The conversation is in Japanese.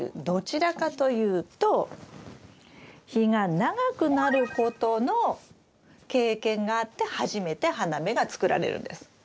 どちらかというと日が長くなることの経験があって初めて花芽が作られるんです。